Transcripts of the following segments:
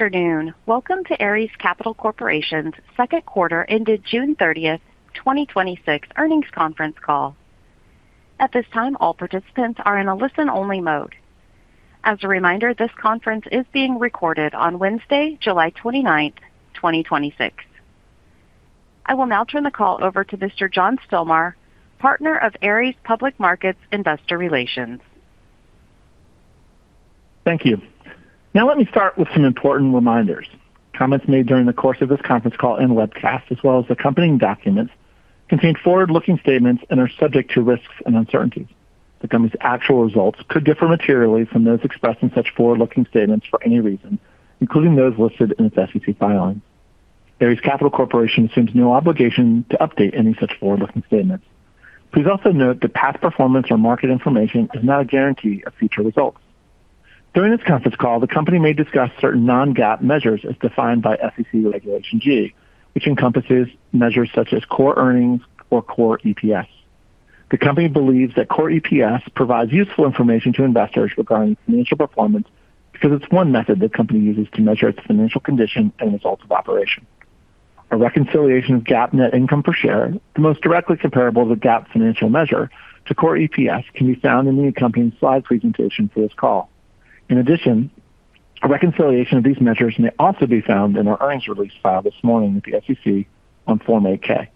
Good afternoon. Welcome to Ares Capital Corporation's second quarter ended June 30th, 2026 earnings conference call. At this time, all participants are in a listen-only mode. As a reminder, this conference is being recorded on Wednesday, July 29th, 2026. I will now turn the call over to Mr. John Stilmar, Partner of Ares Public Markets Investor Relations. Thank you. Let me start with some important reminders. Comments made during the course of this conference call and webcast, as well as accompanying documents, contain forward-looking statements and are subject to risks and uncertainties. The company's actual results could differ materially from those expressed in such forward-looking statements for any reason, including those listed in its SEC filings. Ares Capital Corporation assumes no obligation to update any such forward-looking statements. Please also note that past performance or market information does not guarantee future results. During this conference call, the company may discuss certain non-GAAP measures as defined by SEC Regulation G, which encompasses measures such as core earnings or Core EPS. The company believes that Core EPS provides useful information to investors regarding financial performance because it's one method the company uses to measure its financial condition and results of operation. A reconciliation of GAAP net income per share, the most directly comparable to GAAP financial measure to Core EPS, can be found in the accompanying slide presentation for this call. A reconciliation of these measures may also be found in our earnings release filed this morning with the SEC on Form 8-K.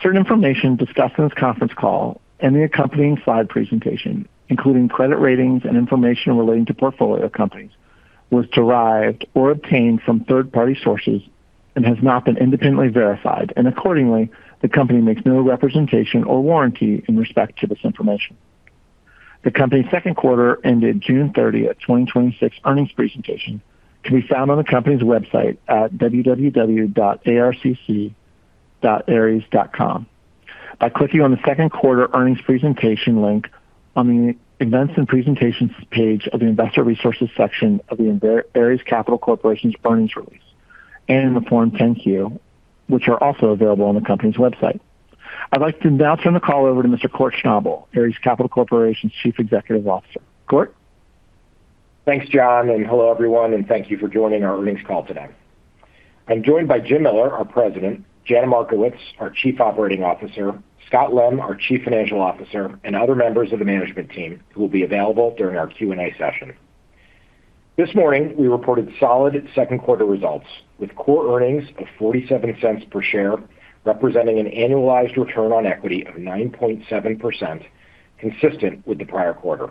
Certain information discussed on this conference call and the accompanying slide presentation, including credit ratings and information relating to portfolio companies, was derived or obtained from third-party sources and has not been independently verified, and accordingly, the company makes no representation or warranty in respect to this information. The company's second quarter ended June 30th, 2026 earnings presentation can be found on the company's website at www.arcc.ares.com by clicking on the Second Quarter Earnings Presentation link on the Events and Presentations page of the Investor Resources section of the Ares Capital Corporation's earnings release and in the Form 10-Q, which are also available on the company's website. I would like to now turn the call over to Mr. Kort Schnabel, Ares Capital Corporation's Chief Executive Officer. Kort? Thanks, John, and hello everyone, and thank you for joining our earnings call today. I am joined by Jim Miller, our President, Jana Markowicz, our Chief Operating Officer, Scott Lem, our Chief Financial Officer, and other members of the management team who will be available during our Q&A session. This morning, we reported solid second quarter results with core earnings of $0.47 per share, representing an annualized return on equity of 9.7% consistent with the prior quarter.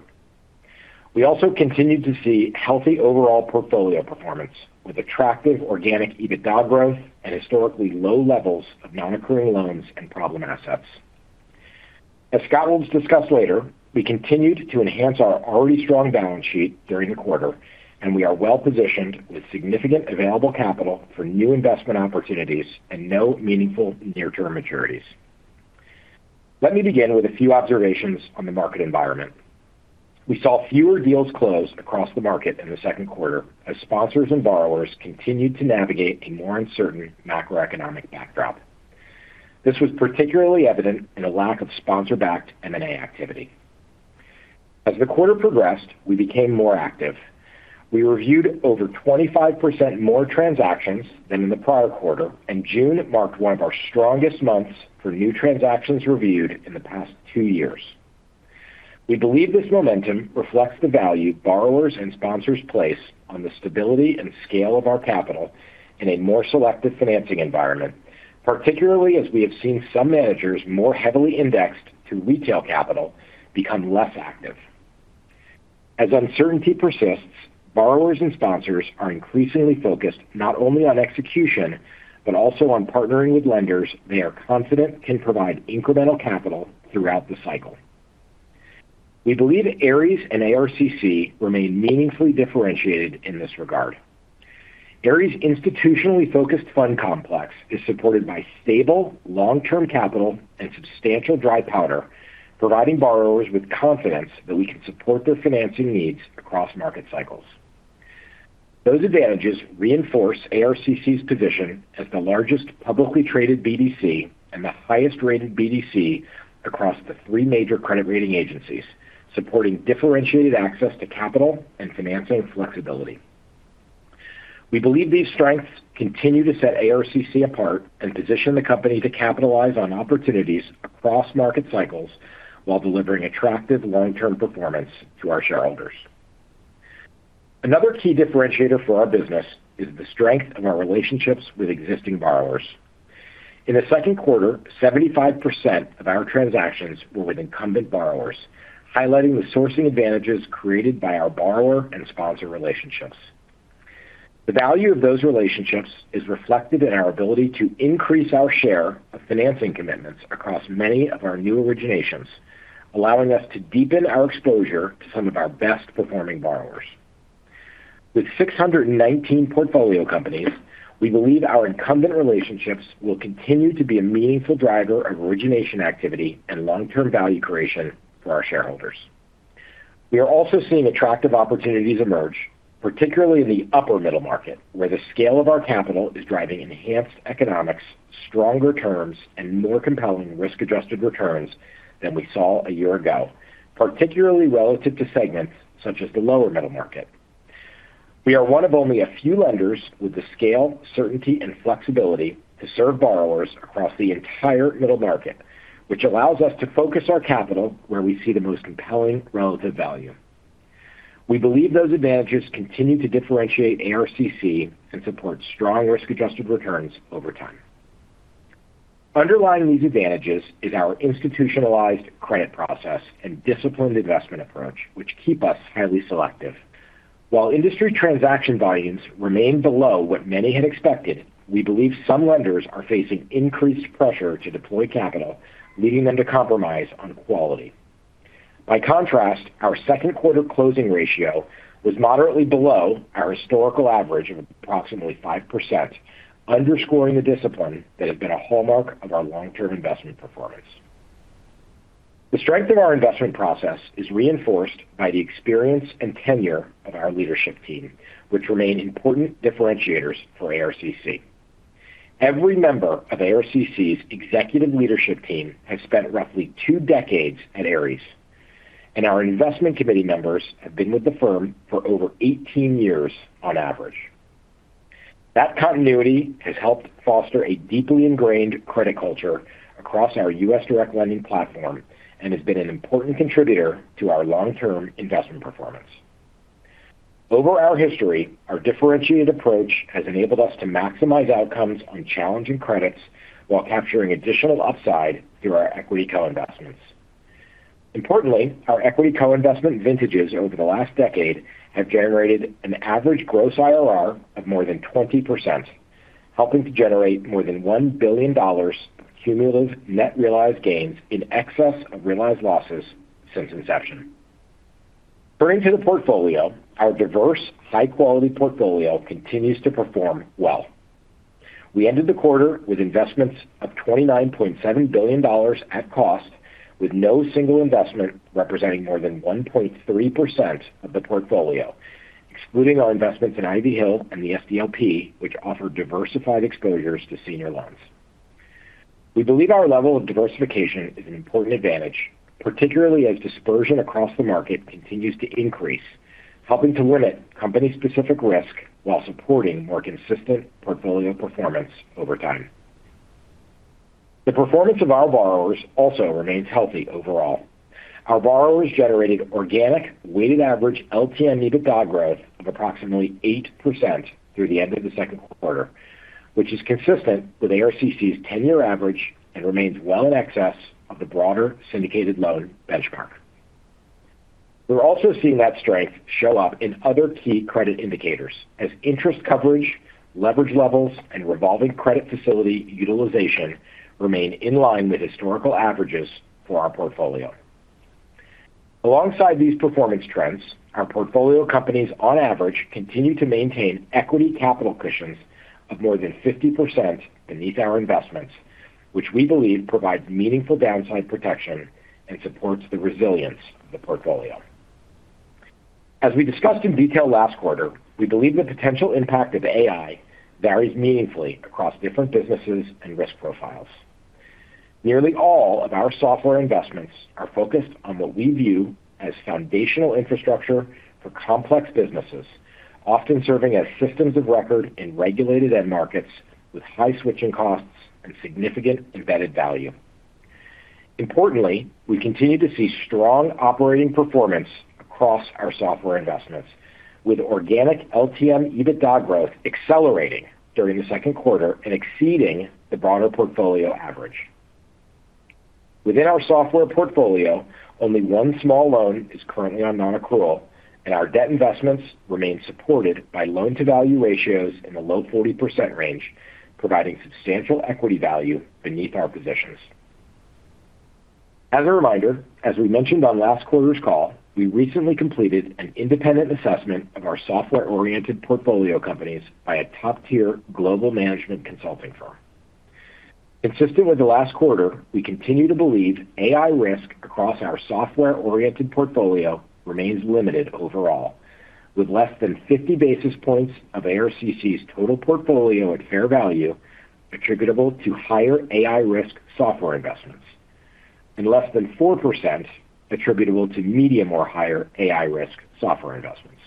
We also continued to see healthy overall portfolio performance with attractive organic EBITDA growth and historically low levels of non-accruing loans and problem assets. As Scott will discuss later, we continued to enhance our already strong balance sheet during the quarter, and we are well-positioned with significant available capital for new investment opportunities and no meaningful near-term maturities. Let me begin with a few observations on the market environment. We saw fewer deals close across the market in the second quarter as sponsors and borrowers continued to navigate a more uncertain macroeconomic backdrop. This was particularly evident in a lack of sponsor-backed M&A activity. As the quarter progressed, we became more active. We reviewed over 25% more transactions than in the prior quarter, and June marked one of our strongest months for new transactions reviewed in the past two years. We believe this momentum reflects the value borrowers and sponsors place on the stability and scale of our capital in a more selective financing environment, particularly as we have seen some managers more heavily indexed to retail capital become less active. As uncertainty persists, borrowers and sponsors are increasingly focused not only on execution, but also on partnering with lenders they are confident can provide incremental capital throughout the cycle. We believe Ares and ARCC remain meaningfully differentiated in this regard. Ares' institutionally focused fund complex is supported by stable long-term capital and substantial dry powder, providing borrowers with confidence that we can support their financing needs across market cycles. Those advantages reinforce ARCC's position as the largest publicly traded BDC and the highest rated BDC across the three major credit rating agencies, supporting differentiated access to capital and financial flexibility. We believe these strengths continue to set ARCC apart and position the company to capitalize on opportunities across market cycles while delivering attractive long-term performance to our shareholders. Another key differentiator for our business is the strength of our relationships with existing borrowers. In the second quarter, 75% of our transactions were with incumbent borrowers, highlighting the sourcing advantages created by our borrower and sponsor relationships. The value of those relationships is reflected in our ability to increase our share of financing commitments across many of our new originations, allowing us to deepen our exposure to some of our best performing borrowers. With 619 portfolio companies, we believe our incumbent relationships will continue to be a meaningful driver of origination activity and long-term value creation for our shareholders. We are also seeing attractive opportunities emerge, particularly in the upper middle market, where the scale of our capital is driving enhanced economics, stronger terms, and more compelling risk-adjusted returns than we saw a year ago, particularly relative to segments such as the lower middle market. We are one of only a few lenders with the scale, certainty, and flexibility to serve borrowers across the entire middle market, which allows us to focus our capital where we see the most compelling relative value. We believe those advantages continue to differentiate ARCC and support strong risk-adjusted returns over time. Underlying these advantages is our institutionalized credit process and disciplined investment approach, which keep us highly selective. While industry transaction volumes remain below what many had expected, we believe some lenders are facing increased pressure to deploy capital, leading them to compromise on quality. By contrast, our second quarter closing ratio was moderately below our historical average of approximately 5%, underscoring the discipline that has been a hallmark of our long-term investment performance. The strength of our investment process is reinforced by the experience and tenure of our leadership team, which remain important differentiators for ARCC. Every member of ARCC's executive leadership team has spent roughly two decades at Ares, and our investment committee members have been with the firm for over 18 years on average. That continuity has helped foster a deeply ingrained credit culture across our U.S. direct lending platform and has been an important contributor to our long-term investment performance. Over our history, our differentiated approach has enabled us to maximize outcomes on challenging credits while capturing additional upside through our equity co-investments. Importantly, our equity co-investment vintages over the last decade have generated an average gross IRR of more than 20%, helping to generate more than $1 billion cumulative net realized gains in excess of realized losses since inception. Turning to the portfolio, our diverse, high-quality portfolio continues to perform well. We ended the quarter with investments of $29.7 billion at cost, with no single investment representing more than 1.3% of the portfolio, excluding our investments in Ivy Hill and the SDLP, which offer diversified exposures to senior loans. We believe our level of diversification is an important advantage, particularly as dispersion across the market continues to increase, helping to limit company-specific risk while supporting more consistent portfolio performance over time. The performance of our borrowers also remains healthy overall. Our borrowers generated organic weighted average LTM EBITDA growth of approximately 8% through the end of the second quarter, which is consistent with ARCC's 10-year average and remains well in excess of the broader syndicated loan benchmark. We're also seeing that strength show up in other key credit indicators as interest coverage, leverage levels, and revolving credit facility utilization remain in line with historical averages for our portfolio. Alongside these performance trends, our portfolio companies, on average, continue to maintain equity capital cushions of more than 50% beneath our investments, which we believe provides meaningful downside protection and supports the resilience of the portfolio. As we discussed in detail last quarter, we believe the potential impact of AI varies meaningfully across different businesses and risk profiles. Nearly all of our software investments are focused on what we view as foundational infrastructure for complex businesses, often serving as systems of record in regulated end markets with high switching costs and significant embedded value. Importantly, we continue to see strong operating performance across our software investments with organic LTM EBITDA growth accelerating during the second quarter and exceeding the broader portfolio average. Within our software portfolio, only one small loan is currently on non-accrual, and our debt investments remain supported by loan-to-value ratios in the low 40% range, providing substantial equity value beneath our positions. As a reminder, as we mentioned on last quarter's call, we recently completed an independent assessment of our software-oriented portfolio companies by a top-tier global management consulting firm. Consistent with the last quarter, we continue to believe AI risk across our software-oriented portfolio remains limited overall, with less than 50 basis points of ARCC's total portfolio at fair value attributable to higher AI risk software investments, and less than 4% attributable to medium or higher AI risk software investments.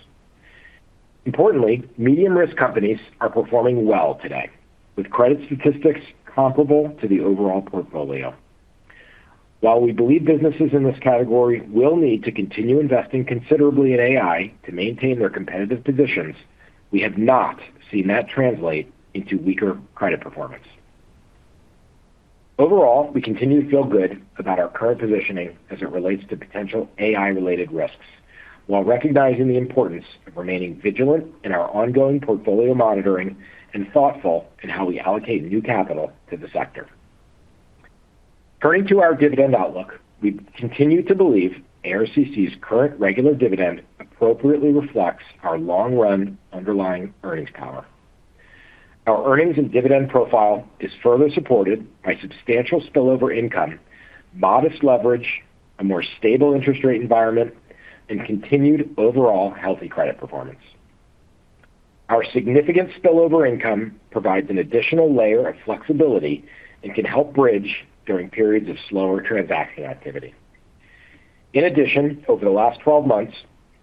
Importantly, medium risk companies are performing well today, with credit statistics comparable to the overall portfolio. While we believe businesses in this category will need to continue investing considerably in AI to maintain their competitive positions, we have not seen that translate into weaker credit performance. Overall, we continue to feel good about our current positioning as it relates to potential AI-related risks, while recognizing the importance of remaining vigilant in our ongoing portfolio monitoring and thoughtful in how we allocate new capital to the sector. Turning to our dividend outlook, we continue to believe ARCC's current regular dividend appropriately reflects our long-run underlying earnings power. Our earnings and dividend profile is further supported by substantial spillover income, modest leverage, a more stable interest rate environment, and continued overall healthy credit performance. Our significant spillover income provides an additional layer of flexibility and can help bridge during periods of slower transaction activity. In addition, over the last 12 months,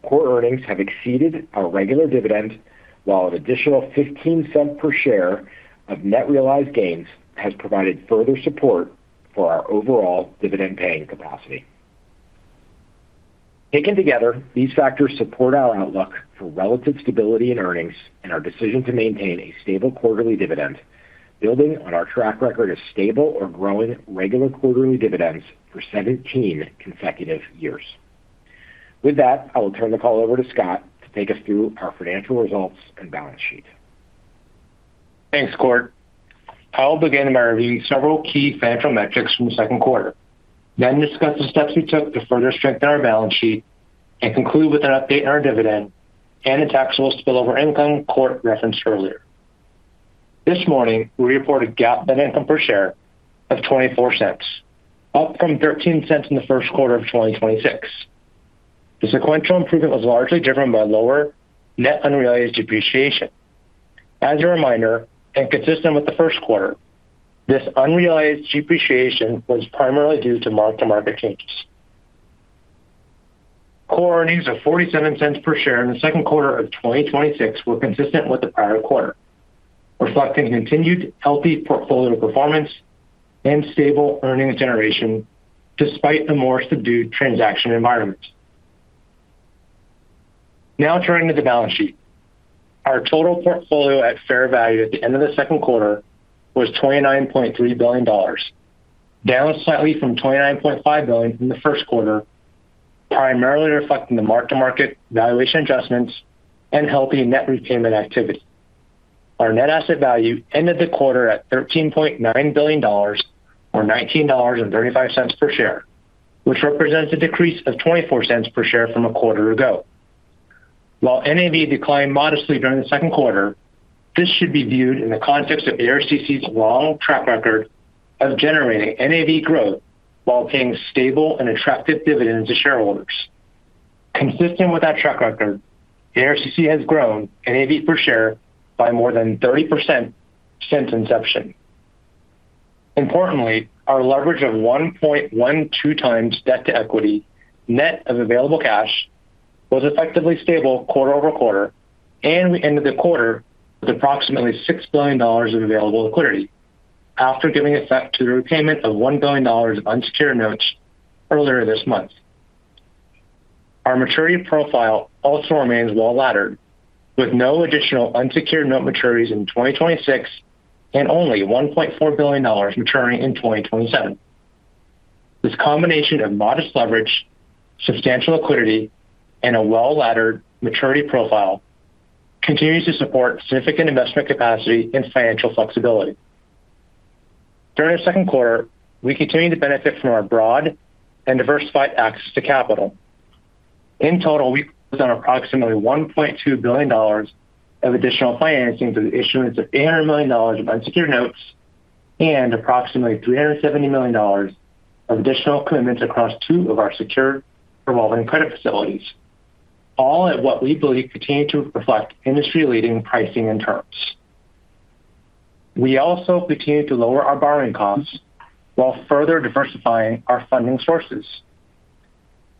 core earnings have exceeded our regular dividend, while an additional $0.15 per share of net realized gains has provided further support for our overall dividend-paying capacity. Taken together, these factors support our outlook for relative stability and earnings and our decision to maintain a stable quarterly dividend, building on our track record of stable or growing regular quarterly dividends for 17 consecutive years. With that, I will turn the call over to Scott to take us through our financial results and balance sheet. Thanks, Kort. I'll begin by reviewing several key financial metrics from the second quarter, then discuss the steps we took to further strengthen our balance sheet and conclude with an update on our dividend and the taxable spillover income Kort referenced earlier. This morning, we reported GAAP net income per share of $0.24, up from $0.13 in the first quarter of 2026. The sequential improvement was largely driven by lower net unrealized depreciation. As a reminder, and consistent with the first quarter, this unrealized depreciation was primarily due to mark-to-market changes. Core earnings of $0.47 per share in the second quarter of 2026 were consistent with the prior quarter, reflecting continued healthy portfolio performance and stable earnings generation despite the more subdued transaction environment. Now turning to the balance sheet. Our total portfolio at fair value at the end of the second quarter was $29.3 billion, down slightly from $29.5 billion in the first quarter, primarily reflecting the mark-to-market valuation adjustments and healthy net repayment activity. Our net asset value ended the quarter at $13.9 billion, or $19.35 per share, which represents a decrease of $0.24 per share from a quarter ago. While NAV declined modestly during the second quarter, this should be viewed in the context of ARCC's long track record of generating NAV growth while paying stable and attractive dividends to shareholders. Consistent with that track record, ARCC has grown NAV per share by more than 30% since inception. Importantly, our leverage of 1.12x debt to equity, net of available cash, was effectively stable quarter-over-quarter, and we ended the quarter with approximately $6 billion of available liquidity after giving effect to the repayment of $1 billion of unsecured notes earlier this month. Our maturity profile also remains well-laddered, with no additional unsecured note maturities in 2026 and only $1.4 billion maturing in 2027. This combination of modest leverage, substantial liquidity, and a well-laddered maturity profile continues to support significant investment capacity and financial flexibility. During the second quarter, we continued to benefit from our broad and diversified access to capital. In total, we've done approximately $1.2 billion of additional financing through the issuance of $800 million of unsecured notes and approximately $370 million of additional commitments across two of our secured revolving credit facilities, all at what we believe continue to reflect industry-leading pricing and terms. We also continue to lower our borrowing costs while further diversifying our funding sources.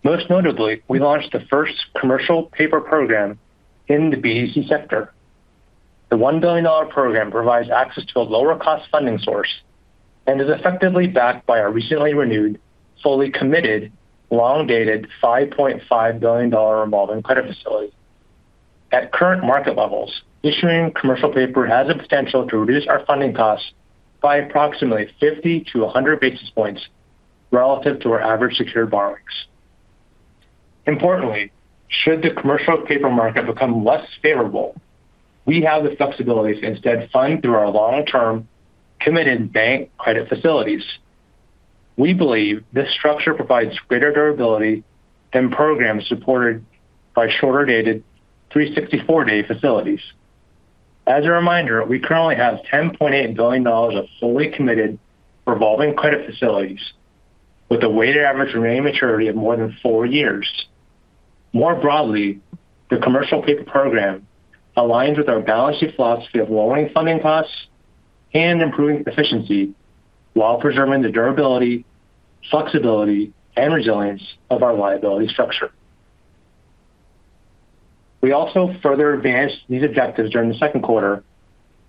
Most notably, we launched the first commercial paper program in the BDC sector. The $1 billion program provides access to a lower cost funding source and is effectively backed by our recently renewed, fully committed, long-dated $5.5 billion revolving credit facility. At current market levels, issuing commercial paper has the potential to reduce our funding costs by approximately 50 to 100 basis points relative to our average secured borrowings. Importantly, should the commercial paper market become less favorable, we have the flexibility to instead fund through our long-term committed bank credit facilities. We believe this structure provides greater durability than programs supported by shorter-dated 364-day facilities. As a reminder, we currently have $10.8 billion of fully committed revolving credit facilities with a weighted average remaining maturity of more than four years. More broadly, the commercial paper program aligns with our balance sheet philosophy of lowering funding costs and improving efficiency while preserving the durability, flexibility, and resilience of our liability structure. We also further advanced these objectives during the second quarter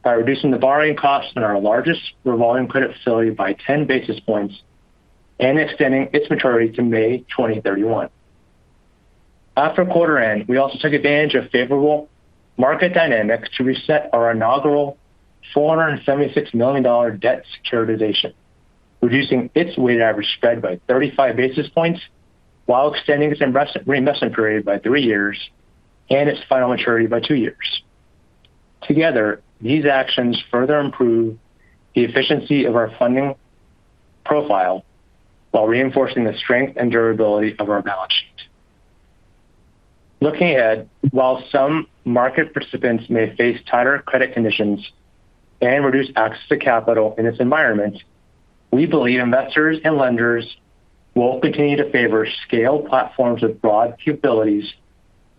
by reducing the borrowing costs on our largest revolving credit facility by 10 basis points and extending its maturity to May 2031. After quarter end, we also took advantage of favorable market dynamics to reset our inaugural $476 million debt securitization, reducing its weighted average spread by 35 basis points while extending its reinvestment period by three years and its final maturity by two years. Together, these actions further improve the efficiency of our funding profile while reinforcing the strength and durability of our balance sheet. Looking ahead, while some market participants may face tighter credit conditions and reduced access to capital in this environment, we believe investors and lenders will continue to favor scaled platforms with broad capabilities,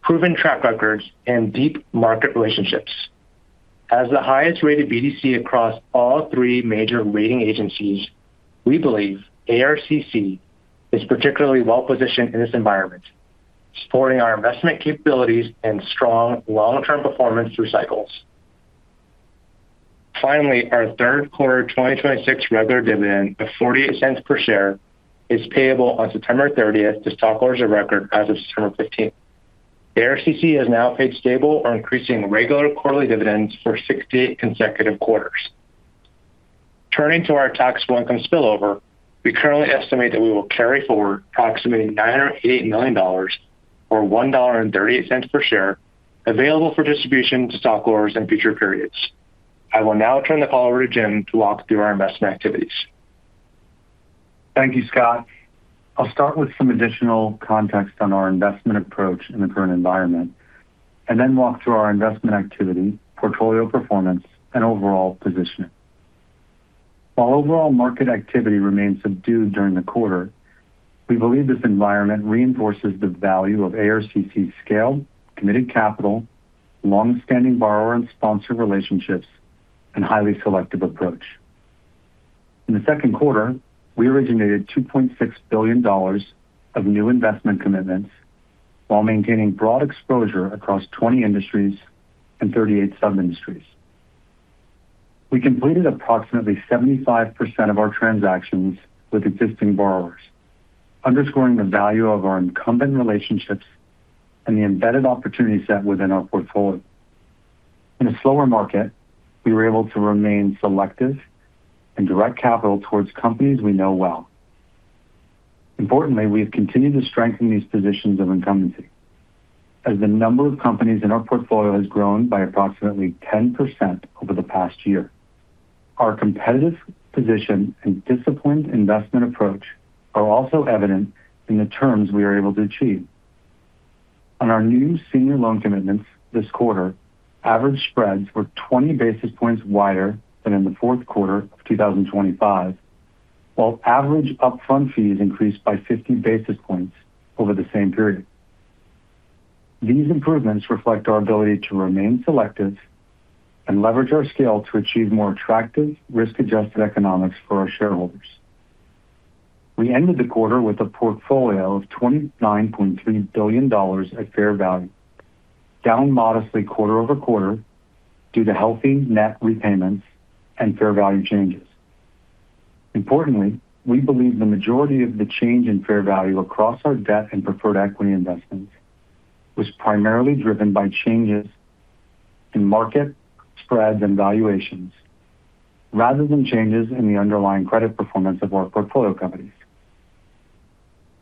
proven track records, and deep market relationships. As the highest rated BDC across all three major rating agencies, we believe ARCC is particularly well-positioned in this environment, supporting our investment capabilities and strong long-term performance through cycles. Finally, our third quarter 2026 regular dividend of $0.48 per share is payable on September 30th to stockholders of record as of September 15th. ARCC has now paid stable or increasing regular quarterly dividends for 68 consecutive quarters. Turning to our taxable income spillover, we currently estimate that we will carry forward approximately $988 million, or $1.38 per share, available for distribution to stockholders in future periods. I will now turn the call over to Jim to walk through our investment activities. Thank you, Scott. I'll start with some additional context on our investment approach in the current environment, and then walk through our investment activity, portfolio performance, and overall positioning. While overall market activity remained subdued during the quarter, we believe this environment reinforces the value of ARCC scale, committed capital, longstanding borrower and sponsor relationships, and highly selective approach. In the second quarter, we originated $2.6 billion of new investment commitments while maintaining broad exposure across 20 industries and 38 sub-industries. We completed approximately 75% of our transactions with existing borrowers, underscoring the value of our incumbent relationships and the embedded opportunity set within our portfolio. In a slower market, we were able to remain selective and direct capital towards companies we know well. Importantly, we have continued to strengthen these positions of incumbency as the number of companies in our portfolio has grown by approximately 10% over the past year. Our competitive position and disciplined investment approach are also evident in the terms we are able to achieve. On our new senior loan commitments this quarter, average spreads were 20 basis points wider than in the fourth quarter of 2025, while average upfront fees increased by 50 basis points over the same period. These improvements reflect our ability to remain selective and leverage our scale to achieve more attractive risk-adjusted economics for our shareholders. We ended the quarter with a portfolio of $29.3 billion at fair value, down modestly quarter-over-quarter due to healthy net repayments and fair value changes. Importantly, we believe the majority of the change in fair value across our debt and preferred equity investments was primarily driven by changes in market spreads and valuations rather than changes in the underlying credit performance of our portfolio companies.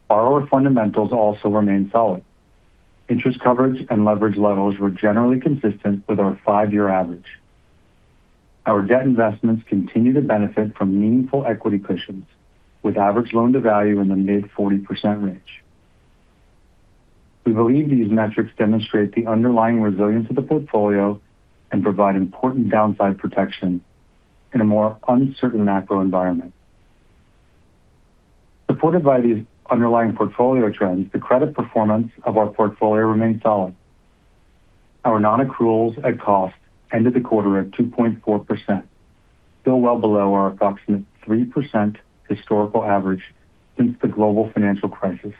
Borrower fundamentals also remain solid. Interest coverage and leverage levels were generally consistent with our five-year average. Our debt investments continue to benefit from meaningful equity cushions, with average loan-to-value in the mid-40% range. We believe these metrics demonstrate the underlying resilience of the portfolio and provide important downside protection in a more uncertain macro environment. Supported by these underlying portfolio trends, the credit performance of our portfolio remains solid. Our non-accruals at cost ended the quarter at 2.4%, still well below our approximate 3% historical average since the global financial crisis,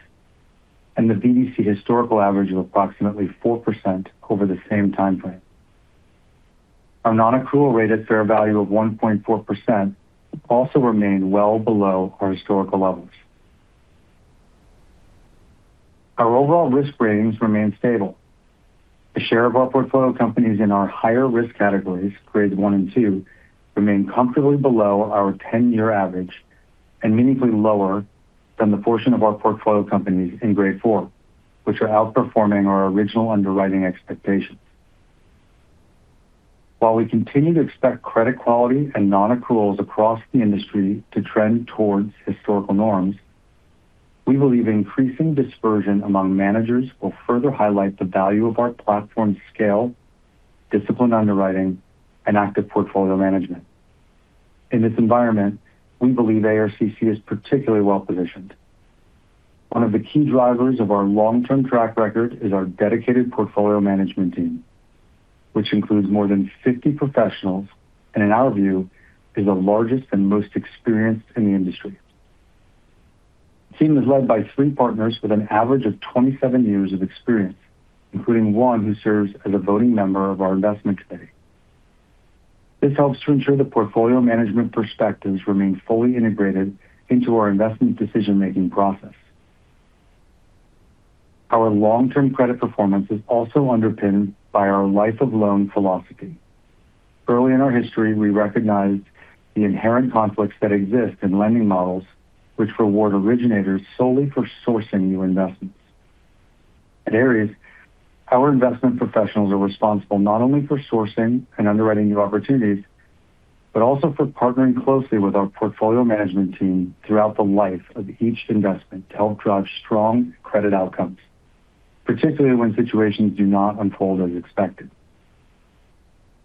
and the BDC historical average of approximately 4% over the same time frame. Our non-accrual rate at fair value of 1.4% also remained well below our historical levels. Our overall risk ratings remain stable. The share of our portfolio companies in our higher risk categories, grade one and two, remain comfortably below our 10-year average and meaningfully lower than the portion of our portfolio companies in grade four, which are outperforming our original underwriting expectations. While we continue to expect credit quality and non-accruals across the industry to trend towards historical norms, we believe increasing dispersion among managers will further highlight the value of our platform scale, disciplined underwriting, and active portfolio management. In this environment, we believe ARCC is particularly well-positioned. One of the key drivers of our long-term track record is our dedicated portfolio management team, which includes more than 50 professionals, and in our view, is the largest and most experienced in the industry. The team is led by three partners with an average of 27 years of experience, including one who serves as a voting member of our investment committee. This helps to ensure the portfolio management perspectives remain fully integrated into our investment decision-making process. Our long-term credit performance is also underpinned by our life of loan philosophy. Early in our history, we recognized the inherent conflicts that exist in lending models which reward originators solely for sourcing new investments. At Ares, our investment professionals are responsible not only for sourcing and underwriting new opportunities, but also for partnering closely with our portfolio management team throughout the life of each investment to help drive strong credit outcomes, particularly when situations do not unfold as expected.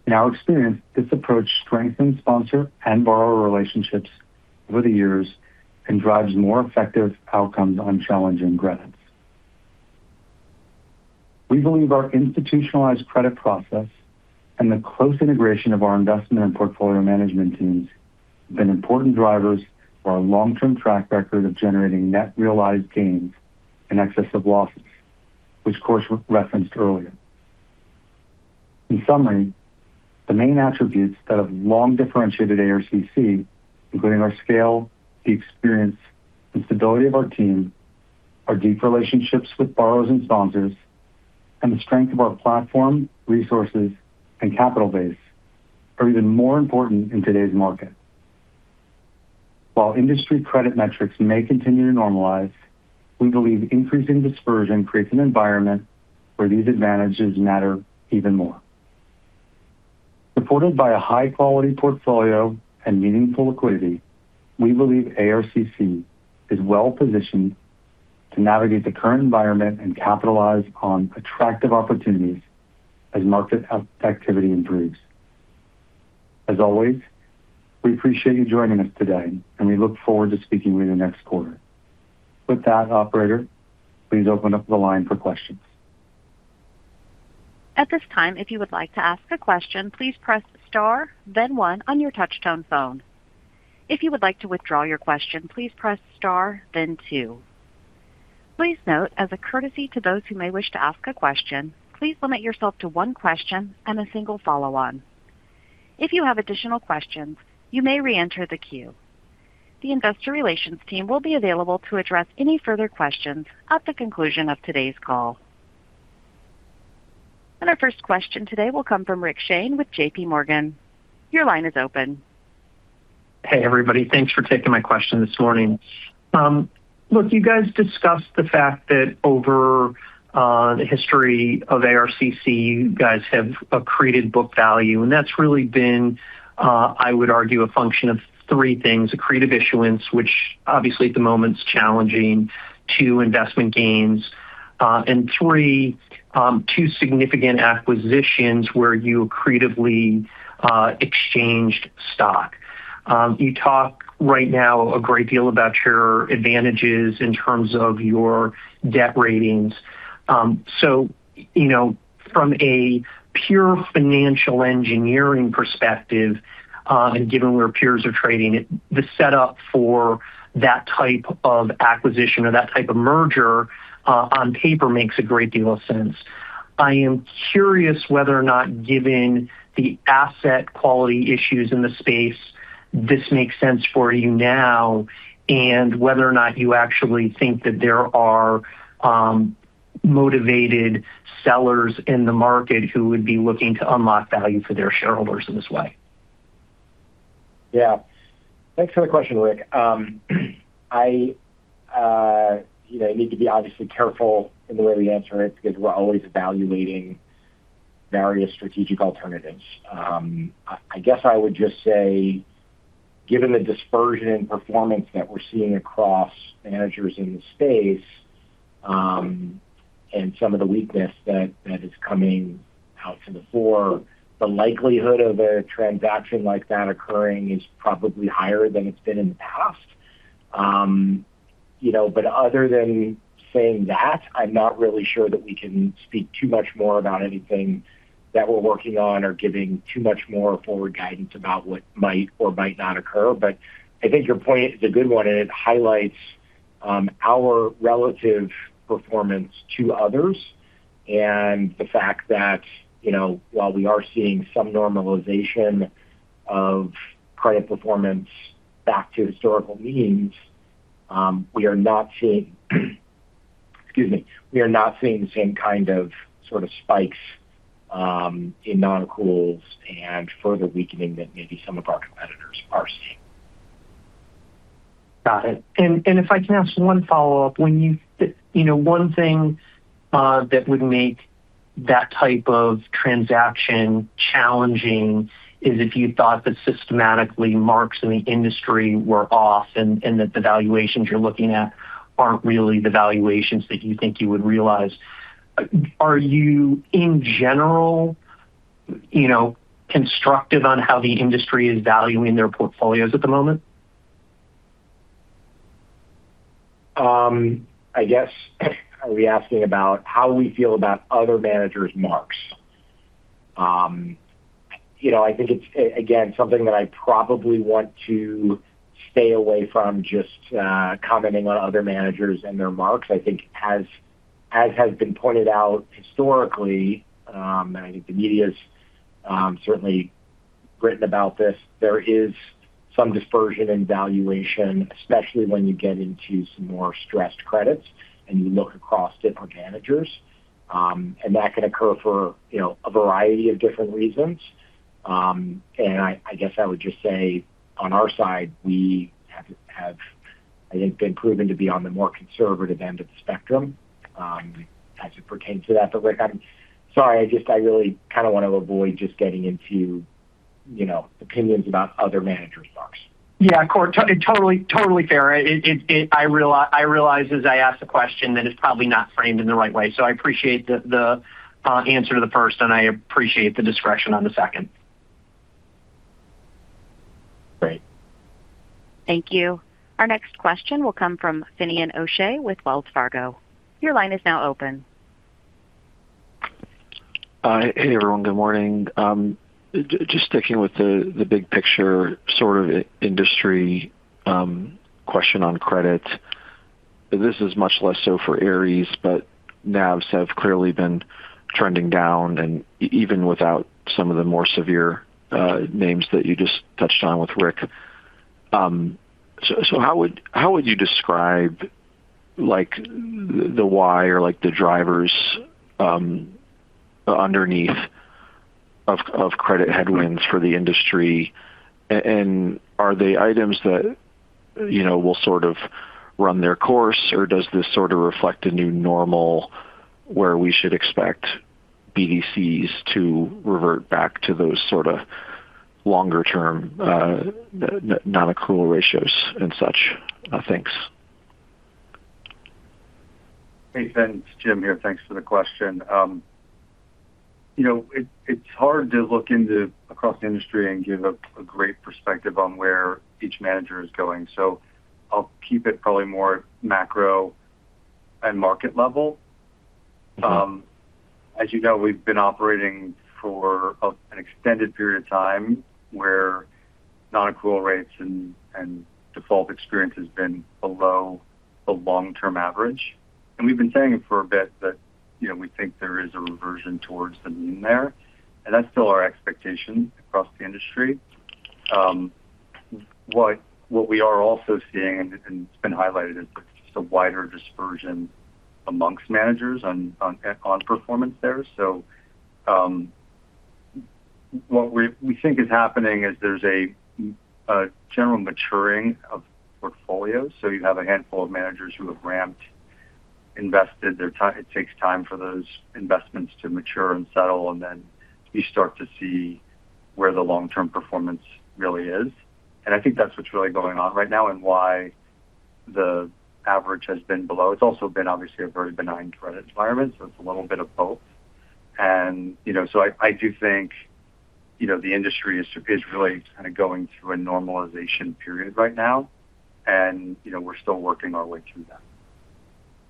In our experience, this approach strengthens sponsor and borrower relationships over the years and drives more effective outcomes on challenging credits. We believe our institutionalized credit process and the close integration of our investment and portfolio management teams have been important drivers for our long-term track record of generating net realized gains in excess of losses, which Kort referenced earlier. In summary, the main attributes that have long differentiated ARCC, including our scale, the experience, and stability of our team, our deep relationships with borrowers and sponsors, and the strength of our platform, resources, and capital base are even more important in today's market. While industry credit metrics may continue to normalize, we believe increasing dispersion creates an environment where these advantages matter even more. Supported by a high-quality portfolio and meaningful liquidity, we believe ARCC is well-positioned to navigate the current environment and capitalize on attractive opportunities as market activity improves. As always, we appreciate you joining us today, and we look forward to speaking with you next quarter. With that, operator, please open up the line for questions. At this time, if you would like to ask a question, please press star then one on your touch tone phone. If you would like to withdraw your question, please press star then two. Please note, as a courtesy to those who may wish to ask a question, please limit yourself to one question and a single follow-on. If you have additional questions, you may re-enter the queue. The investor relations team will be available to address any further questions at the conclusion of today's call. Our first question today will come from Rick Shane with JPMorgan. Your line is open. Hey, everybody. Thanks for taking my question this morning. Look, you guys discussed the fact that over the history of ARCC, you guys have accreted book value, and that's really been, I would argue, a function of three things: accretive issuance, which obviously at the moment is challenging, two, investment gains, and three, two significant acquisitions where you accretively exchanged stock. You talk right now a great deal about your advantages in terms of your debt ratings. From a pure financial engineering perspective, and given where peers are trading, the setup for that type of acquisition or that type of merger on paper makes a great deal of sense. I am curious whether or not given the asset quality issues in the space, this makes sense for you now, and whether or not you actually think that there are motivated sellers in the market who would be looking to unlock value for their shareholders in this way. Yeah. Thanks for the question, Rick. I need to be obviously careful in the way we answer it because we're always evaluating various strategic alternatives. I guess I would just say given the dispersion in performance that we're seeing across managers in the space, and some of the weakness that is coming out to the fore, the likelihood of a transaction like that occurring is probably higher than it's been in the past. Other than saying that, I'm not really sure that we can speak too much more about anything that we are working on or giving too much more forward guidance about what might or might not occur. I think your point is a good one, and it highlights our relative performance to others and the fact that while we are seeing some normalization of credit performance back to historical means We are not seeing the same kind of spikes in non-accruals and further weakening that maybe some of our competitors are seeing. Got it. If I can ask one follow-up. One thing that would make that type of transaction challenging is if you thought that systematically marks in the industry were off, and that the valuations you're looking at aren't really the valuations that you think you would realize. Are you, in general, constructive on how the industry is valuing their portfolios at the moment? I guess, are we asking about how we feel about other managers' marks? I think it's, again, something that I probably want to stay away from just commenting on other managers and their marks. I think as has been pointed out historically, and I think the media's certainly written about this, there is some dispersion in valuation, especially when you get into some more stressed credits and you look across different managers. That can occur for a variety of different reasons. I guess I would just say on our side, we have, I think, been proven to be on the more conservative end of the spectrum as it pertains to that. Rick, I'm sorry, I just really kind of want to avoid just getting into opinions about other managers' marks. Yeah, totally fair. I realized as I asked the question that it's probably not framed in the right way, so I appreciate the answer to the first, and I appreciate the discretion on the second. Great. Thank you. Our next question will come from Finian O'Shea with Wells Fargo. Your line is now open. Hi, everyone. Good morning. Just sticking with the big picture sort of industry question on credit. This is much less so for Ares, but NAVs have clearly been trending down, even without some of the more severe names that you just touched on with Rick. How would you describe the why or the drivers underneath of credit headwinds for the industry? Are they items that will sort of run their course, or does this sort of reflect a new normal where we should expect BDCs to revert back to those sort of longer-term non-accrual ratios and such? Thanks. Hey, Fin. It's Jim here. Thanks for the question. It's hard to look across the industry and give a great perspective on where each manager is going, so I'll keep it probably more macro and market level. As you know, we've been operating for an extended period of time where non-accrual rates and default experience has been below the long-term average. We've been saying it for a bit that we think there is a reversion towards the mean there, and that's still our expectation across the industry. What we are also seeing, and it's been highlighted, is just a wider dispersion amongst managers on performance there. What we think is happening is there's a general maturing of portfolios. You have a handful of managers who have ramped, invested their time. It takes time for those investments to mature and settle, then you start to see where the long-term performance really is. I think that's what's really going on right now and why the average has been below. It's also been obviously a very benign credit environment. It's a little bit of both. I do think the industry is really kind of going through a normalization period right now, and we're still working our way through that.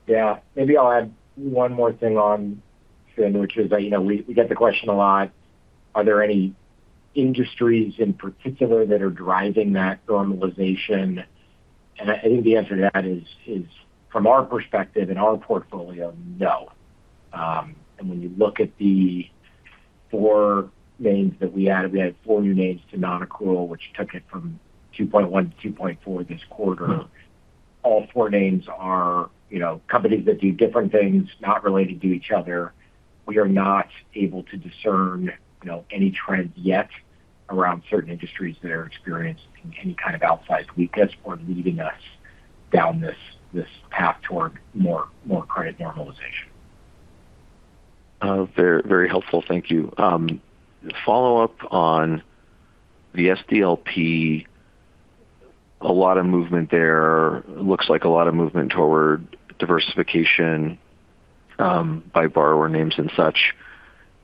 Yeah. Maybe I'll add one more thing on, Fin, which is that we get the question a lot, are there any industries in particular that are driving that normalization? I think the answer to that is, from our perspective in our portfolio, no. When you look at the 4 names that we added, we had four new names to non-accrual, which took it from 2.1 to 2.4 this quarter. All four names are companies that do different things, not related to each other. We are not able to discern any trends yet around certain industries that are experiencing any kind of outsized weakness or leading us down this path toward more credit normalization. Very helpful. Thank you. Follow-up on the SDLP. A lot of movement there. Looks like a lot of movement toward diversification by borrower names and such.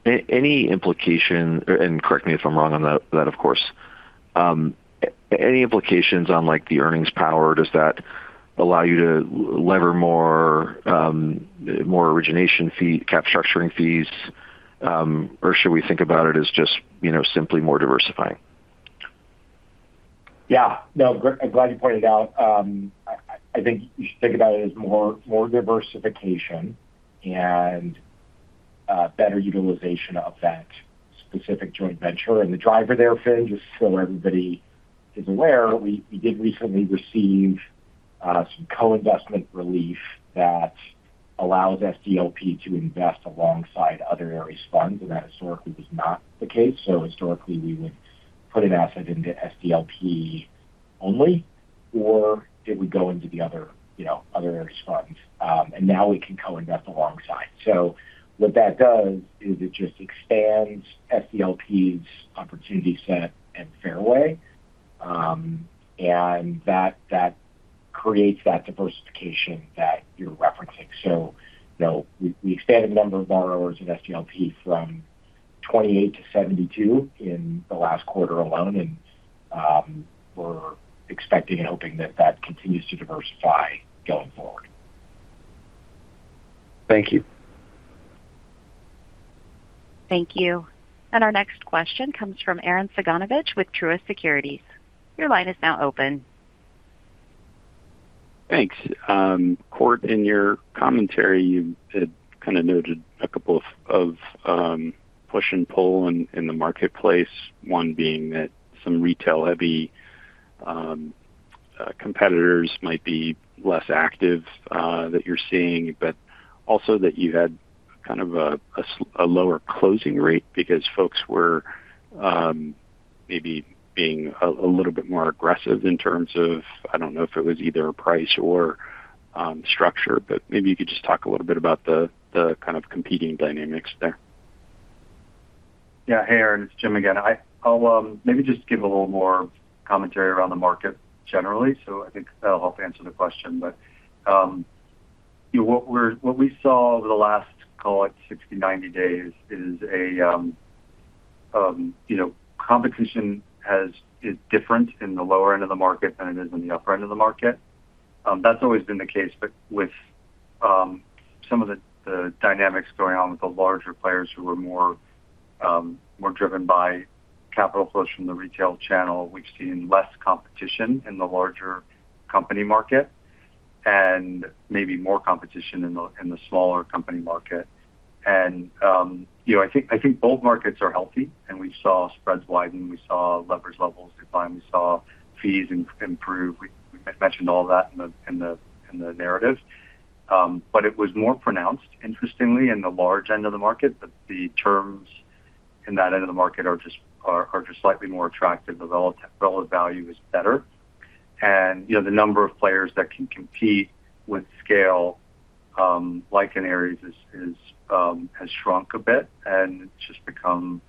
Any implication, and correct me if I'm wrong on that, of course, any implications on the earnings power? Does that allow you to lever more origination fee, cap structuring fees? Should we think about it as just simply more diversifying? Yeah. No, I'm glad you pointed it out. I think you should think about it as more diversification and better utilization of that specific joint venture. The driver there, Finn, just so everybody is aware, we did recently receive some co-investment relief that allows SDLP to invest alongside other Ares funds, and that historically was not the case. Historically, we would put an asset into SDLP only, or it would go into the other Ares funds. Now we can co-invest alongside. What that does is it just expands SDLP's opportunity set and fairway, and that creates that diversification that you're referencing. We expanded the number of borrowers in SDLP from 28 to 72 in the last quarter alone, and we're expecting and hoping that that continues to diversify going forward. Thank you. Thank you. Our next question comes from Arren Cyganovich with Truist Securities. Your line is now open. Thanks. Kort, in your commentary, you had kind of noted a couple of push and pull in the marketplace. One being that some retail-heavy competitors might be less active that you're seeing, also that you had kind of a lower closing rate because folks were maybe being a little bit more aggressive in terms of, I don't know if it was either a price or structure, maybe you could just talk a little bit about the kind of competing dynamics there. Yeah. Hey, Arren, it's Jim again. I'll maybe just give a little more commentary around the market generally. I think that'll help answer the question. What we saw over the last, call it 60, 90 days, is competition is different in the lower end of the market than it is in the upper end of the market. That's always been the case. With some of the dynamics going on with the larger players who are more driven by capital flows from the retail channel, we've seen less competition in the larger company market and maybe more competition in the smaller company market. I think both markets are healthy, we saw spreads widen, we saw leverage levels decline, we saw fees improve. We mentioned all that in the narrative. It was more pronounced, interestingly, in the large end of the market, that the terms in that end of the market are just slightly more attractive, the relative value is better. The number of players that can compete with scale, like in Ares, has shrunk a bit, it's just become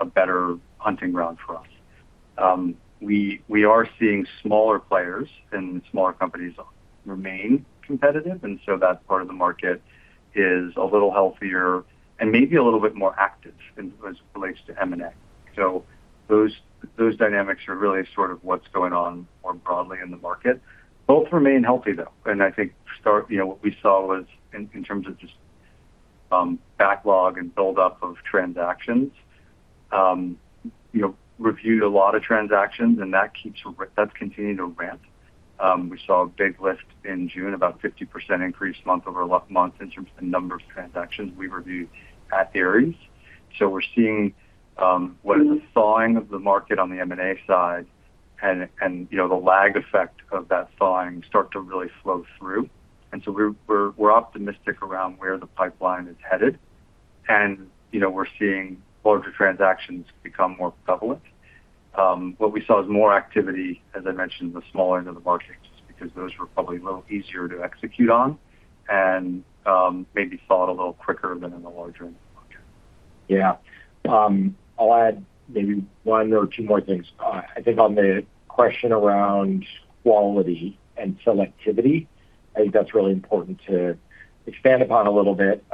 a better hunting ground for us. We are seeing smaller players and smaller companies remain competitive, that part of the market is a little healthier and maybe a little bit more active as it relates to M&A. Those dynamics are really sort of what's going on more broadly in the market. Both remain healthy, though. I think what we saw was in terms of just backlog and build-up of transactions. Reviewed a lot of transactions, that's continuing to ramp. We saw a big lift in June, about 50% increase month-over-month in terms of the number of transactions we reviewed at Ares. We're seeing what is the thawing of the market on the M&A side and the lag effect of that thawing start to really flow through. We're optimistic around where the pipeline is headed, and we're seeing larger transactions become more prevalent. What we saw is more activity, as I mentioned, in the smaller end of the market, just because those were probably a little easier to execute on and maybe thaw out a little quicker than in the larger end of the market. Yeah. I'll add maybe one or two more things. I think on the question around quality and selectivity, I think that's really important to expand upon a little bit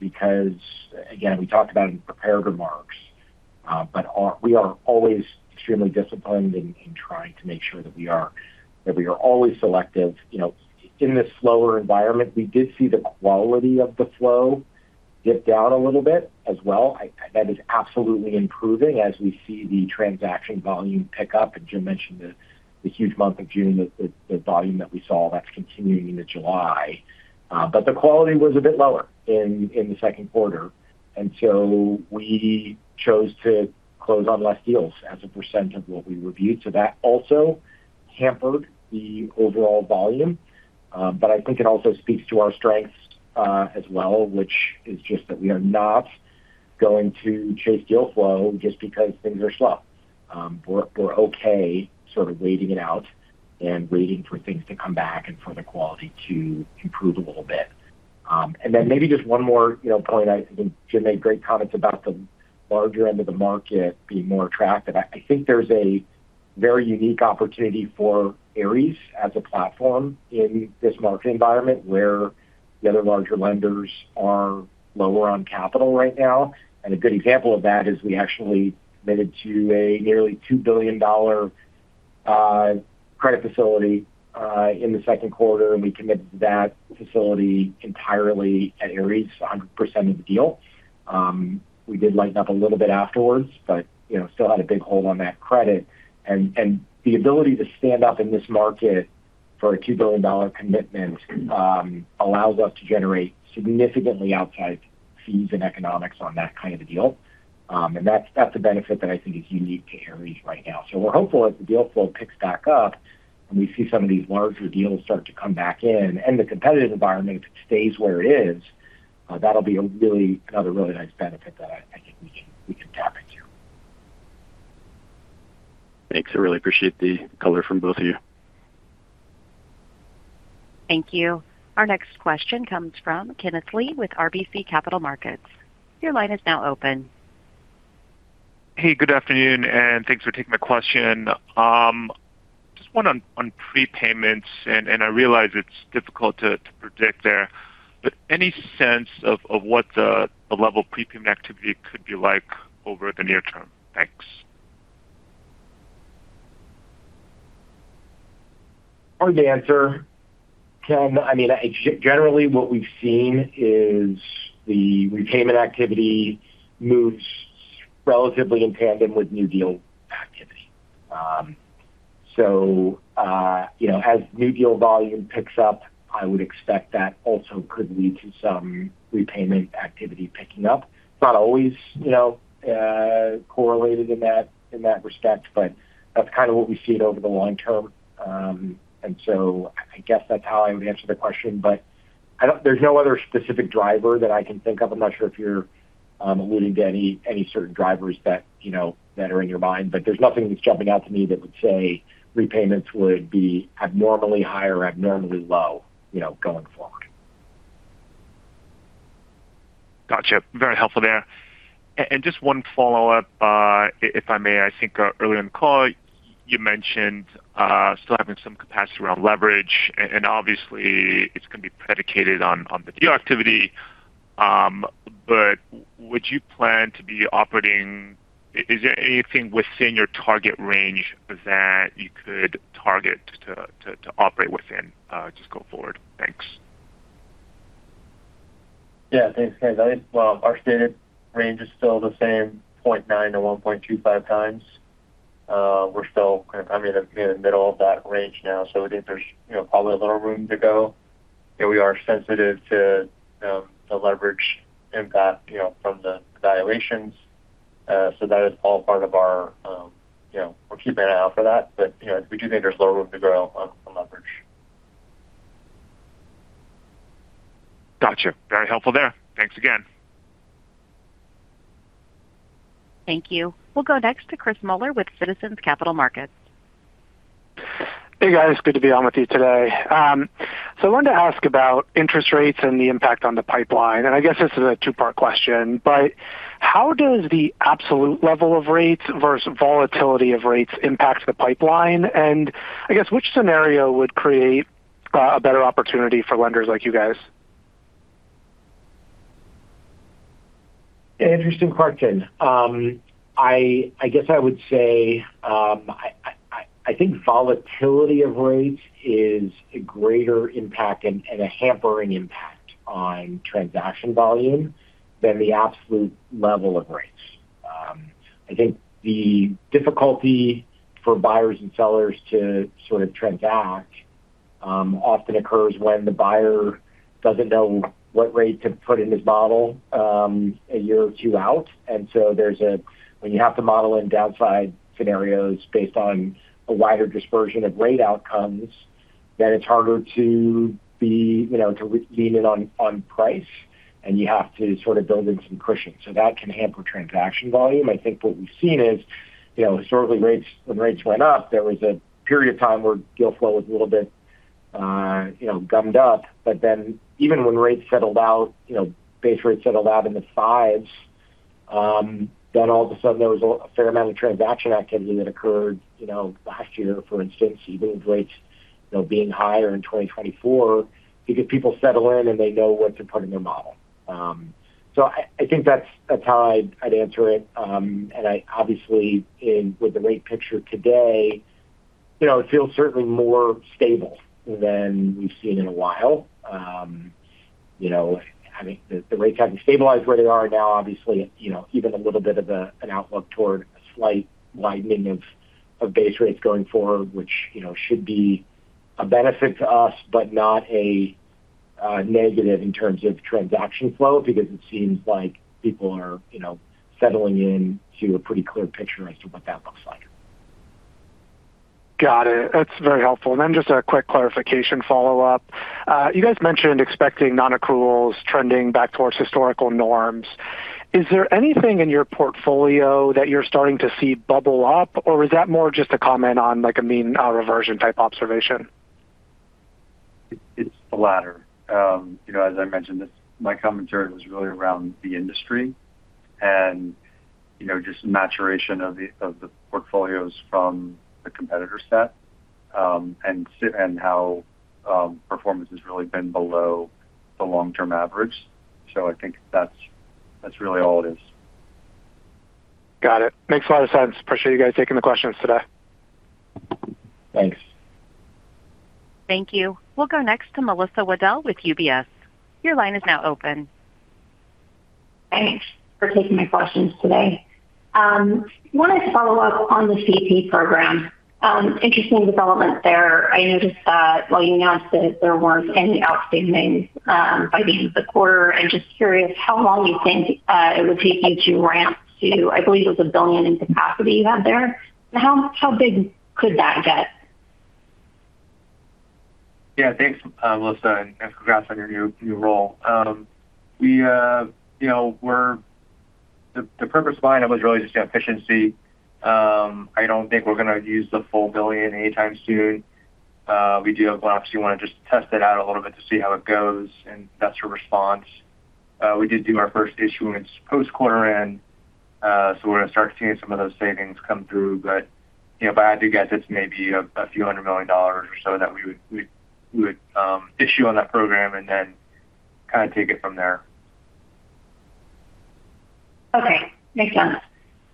because, again, we talked about it in prepared remarks. We are always extremely disciplined in trying to make sure that we are always selective. In this slower environment, we did see the quality of the flow dip down a little bit as well. That is absolutely improving as we see the transaction volume PIK up. Jim mentioned the huge month of June, the volume that we saw, that's continuing into July. The quality was a bit lower in the second quarter. We chose to close on less deals as a percent of what we reviewed. That also hampered the overall volume. I think it also speaks to our strengths as well, which is just that we are not going to chase deal flow just because things are slow. We're okay sort of waiting it out and waiting for things to come back and for the quality to improve a little bit. Maybe just one more point. I think Jim made great comments about the larger end of the market being more attractive. I think there's a very unique opportunity for Ares as a platform in this market environment where the other larger lenders are lower on capital right now. A good example of that is we actually committed to a nearly $2 billion credit facility in the second quarter, and we committed to that facility entirely at Ares, 100% of the deal. We did lighten up a little bit afterwards, but still had a big hold on that credit. The ability to stand up in this market for a $2 billion commitment allows us to generate significantly outsized fees and economics on that kind of a deal. That's a benefit that I think is unique to Ares right now. We're hopeful as the deal flow picks back up and we see some of these larger deals start to come back in, and the competitive environment, if it stays where it is, that'll be another really nice benefit that I think we can tap into. Thanks. I really appreciate the color from both of you. Thank you. Our next question comes from Kenneth Lee with RBC Capital Markets. Your line is now open. Hey, good afternoon. Thanks for taking my question. Just one on prepayments, I realize it's difficult to predict there, but any sense of what the level of prepayment activity could be like over the near term? Thanks. Hard to answer, Ken. Generally, what we've seen is the repayment activity moves relatively in tandem with new deal activity. As new deal volume picks up, I would expect that also could lead to some repayment activity picking up. It's not always correlated in that respect, but that's kind of what we see it over the long term. I guess that's how I would answer the question, there's no other specific driver that I can think of. I'm not sure if you're alluding to any certain drivers that are in your mind, there's nothing that's jumping out to me that would say repayments would be abnormally high or abnormally low going forward. Gotcha. Very helpful there. Just one follow-up, if I may. I think earlier in the call you mentioned still having some capacity around leverage, obviously it's going to be predicated on the deal activity. Is there anything within your target range that you could target to operate within just going forward? Thanks. Yeah, thanks, guys. Well, our stated range is still the same, 0.9x to 1.25x. We're still kind of in the middle of that range now. I think there's probably a little room to go. We are sensitive to the leverage impact from the devaluations. That is all part of our. We're keeping an eye out for that. We do think there's a little room to grow on leverage. Gotcha. Very helpful there. Thanks again. Thank you. We'll go next to Chris Muller with Citizens Capital Markets. Hey, guys, good to be on with you today. I wanted to ask about interest rates and the impact on the pipeline. This is a two-part question, how does the absolute level of rates versus volatility of rates impact the pipeline? Which scenario would create a better opportunity for lenders like you guys? Interesting question. I think volatility of rates is a greater impact and a hampering impact on transaction volume than the absolute level of rates. I think the difficulty for buyers and sellers to sort of transact often occurs when the buyer doesn't know what rate to put in his model a year or two out. When you have to model in downside scenarios based on a wider dispersion of rate outcomes, then it's harder to lean in on price, and you have to sort of build in some cushion. That can hamper transaction volume. I think what we've seen is, historically when rates went up, there was a period of time where deal flow was a little bit gummed up. Even when rates settled out, base rates settled out in the fives, there was a fair amount of transaction activity that occurred last year, for instance, even with rates being higher in 2024 because people settle in and they know what to put in their model. I think that's how I'd answer it. With the rate picture today, it feels certainly more stable than we've seen in a while. I think the rates having stabilized where they are now, obviously, even a little bit of an outlook toward a slight widening of base rates going forward, which should be a benefit to us, but not a negative in terms of transaction flow, because it seems like people are settling in to a pretty clear picture as to what that looks like. Got it. That's very helpful. Just a quick clarification follow-up. You guys mentioned expecting non-accruals trending back towards historical norms. Is there anything in your portfolio that you're starting to see bubble up, or is that more just a comment on, like a mean reversion type observation? It's the latter. As I mentioned, my commentary was really around the industry and just maturation of the portfolios from the competitor set, and how performance has really been below the long-term average. I think that's really all it is. Got it. Makes a lot of sense. Appreciate you guys taking the questions today. Thanks. Thank you. We'll go next to Melissa Wedel with UBS. Your line is now open. Thanks for taking my questions today. Wanted to follow up on the CP program. Interesting development there. I noticed that while you announced that there weren't any outstanding by the end of the quarter. I'm just curious how long you think it would take you to ramp to, I believe it was a $1 billion in capacity you had there. How big could that get? Yeah, thanks, Melissa, and congrats on your new role. The purpose behind it was really just efficiency. I don't think we're going to use the full $1 billion anytime soon. We do have gaps. We want to just test it out a little bit to see how it goes and that's her response. We did do our first issuance post quarter end, so we're going to start seeing some of those savings come through. If I had to guess, it's maybe a few hundred million dollars or so that we would issue on that program and then kind of take it from there. Okay. Makes sense.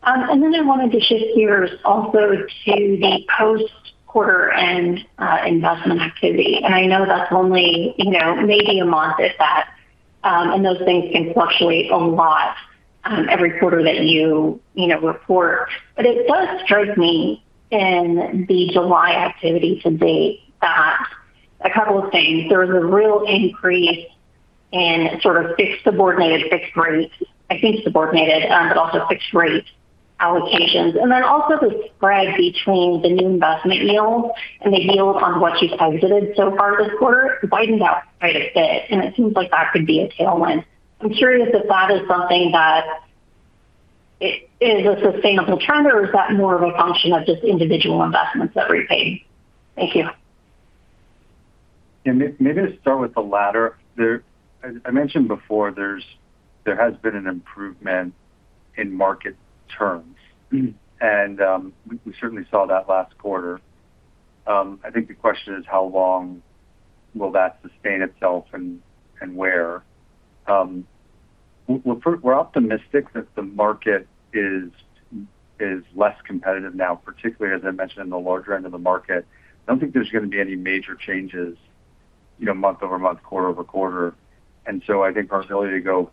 I wanted to shift gears also to the post quarter end investment activity. I know that's only maybe a month at that. Those things can fluctuate a lot every quarter that you report. It does strike me in the July activity to date that two things. There was a real increase in sort of fixed subordinated, fixed rate, I think subordinated, but also fixed rate allocations. Also the spread between the new investment yields and the yields on what you've exited so far this quarter widened out quite a bit, and it seems like that could be a tailwind. I'm curious if that is something that is a sustainable trend or is that more of a function of just individual investments that repaid? Thank you. Yeah. Maybe to start with the latter. I mentioned before there has been an improvement in market terms, and we certainly saw that last quarter. I think the question is how long will that sustain itself and where? We're optimistic that the market is less competitive now, particularly as I mentioned in the larger end of the market. I don't think there's going to be any major changes month-over-month, quarter-over-quarter. I think our ability to go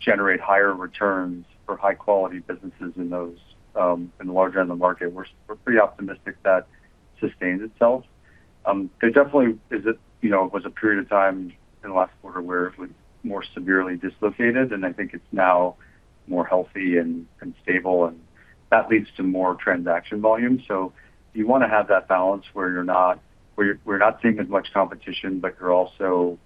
generate higher returns for high quality businesses in the larger end of the market, we're pretty optimistic that sustains itself. There definitely was a period of time in the last quarter where it was more severely dislocated, and I think it's now more healthy and stable, and that leads to more transaction volume. You want to have that balance where you're not seeing as much competition, but you're also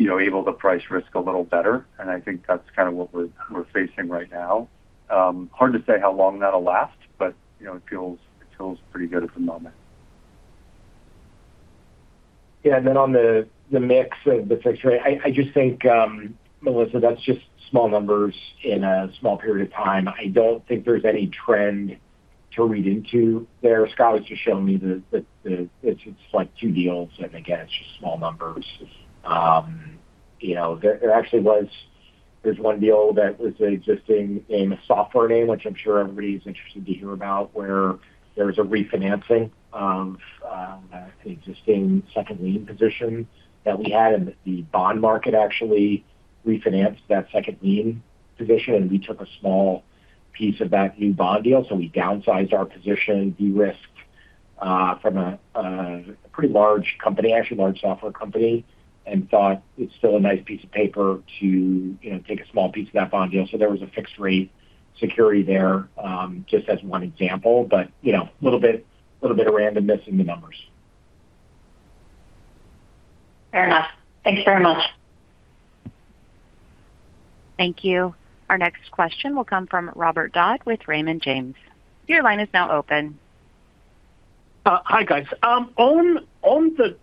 able to price risk a little better. I think that's kind of what we're facing right now. Hard to say how long that'll last, but it feels pretty good at the moment. Yeah. On the mix of the fixed rate, I just think, Melissa, that's just small numbers in a small period of time. I don't think there's any trend to read into there. Scott was just showing me that it's just two deals, and again, it's just small numbers. There actually was this one deal that was an existing name, a software name, which I'm sure everybody's interested to hear about, where there was a refinancing of an existing second lien position that we had in the bond market. Actually refinanced that second lien position, and we took a small piece of that new bond deal. So we downsized our position, de-risked from a pretty large company, actually large software company, and thought it's still a nice piece of paper to take a small piece of that bond deal. So there was a fixed rate security there. Just as one example, little bit of randomness in the numbers. Fair enough. Thanks very much. Thank you. Our next question will come from Robert Dodd with Raymond James. Your line is now open. Hi, guys. On the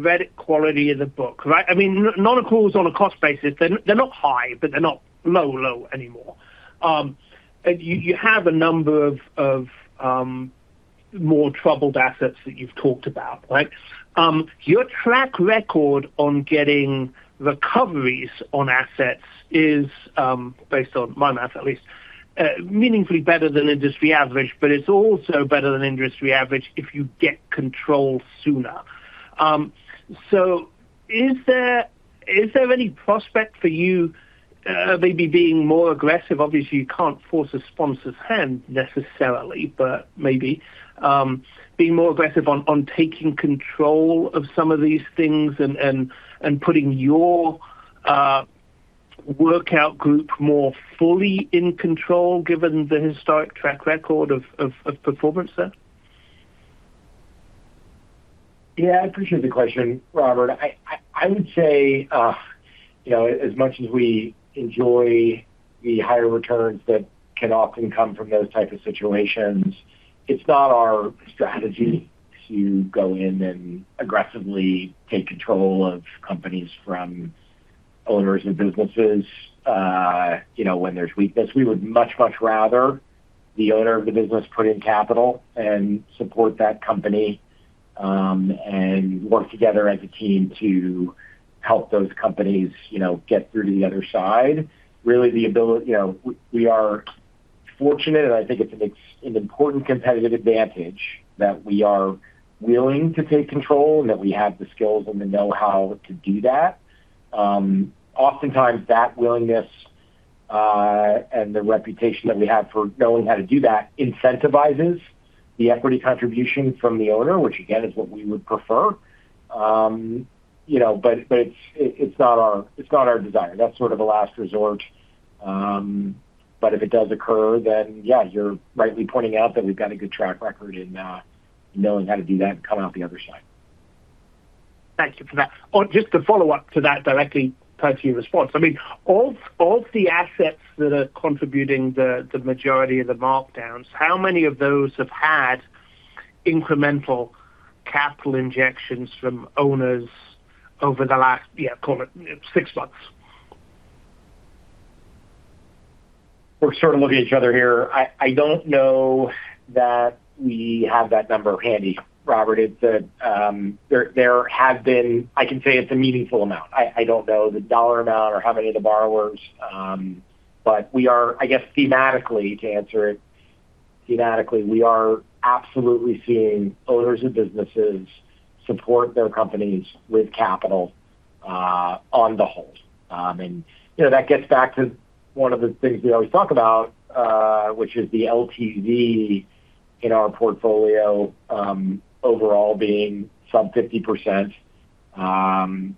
credit quality of the book, right? Non-accruals on a cost basis, they're not high, but they're not low anymore. You have a number of more troubled assets that you've talked about, right? Your track record on getting recoveries on assets is based on my math at least meaningfully better than industry average. It's also better than industry average if you get control sooner. Is there any prospect for you maybe being more aggressive? Obviously, you can't force a sponsor's hand necessarily, maybe being more aggressive on taking control of some of these things and putting your workout group more fully in control given the historic track record of performance there? Yeah, I appreciate the question, Robert. I would say as much as we enjoy the higher returns that can often come from those types of situations, it's not our strategy to go in and aggressively take control of companies from owners of businesses when there's weakness. We would much rather the owner of the business put in capital and support that company and work together as a team to help those companies get through to the other side. Really the ability, we are fortunate, and I think it's an important competitive advantage that we are willing to take control and that we have the skills and the know-how to do that. Oftentimes, that willingness and the reputation that we have for knowing how to do that incentivizes the equity contribution from the owner, which again, is what we would prefer. It's not our desire. That's sort of a last resort. If it does occur, yeah, you're rightly pointing out that we've got a good track record in knowing how to do that and coming out the other side. Thank you for that. Just to follow up to that directly tied to your response. Of the assets that are contributing the majority of the markdowns, how many of those have had incremental capital injections from owners over the last, call it six months? We're sort of looking at each other here. I don't know that we have that number handy, Robert. I can say it's a meaningful amount. I don't know the dollar amount or how many of the borrowers. I guess thematically, to answer it thematically, we are absolutely seeing owners of businesses support their companies with capital on the whole. That gets back to one of the things we always talk about, which is the LTV in our portfolio, overall being sub 50%.